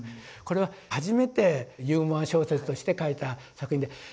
これは初めてユーモア小説として書いた作品で。